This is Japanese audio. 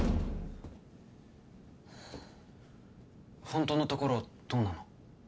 本当のところどうなの？